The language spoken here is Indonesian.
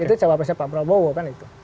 itu capres capresnya pak prabowo kan itu